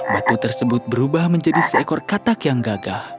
batu tersebut berubah menjadi seekor katak yang gagah